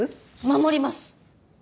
守ります！